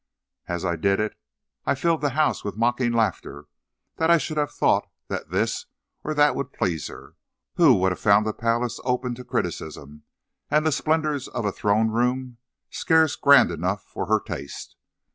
As I did it I filled the house with mocking laughter; that I should have thought that this or that would please her, who would have found a palace open to criticism, and the splendors of a throne room scarce grand enough for her taste!